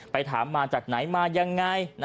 ถามมาจากไหนมายังไง